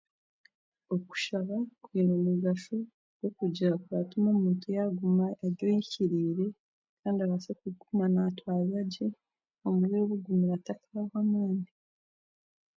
Okushaba kwine omugasho gw'okugira kuratuma omuntu yaaguma ari oikiriire kandi abaase kuguma naatwaza gye omu biro bigumire atakaawa amaani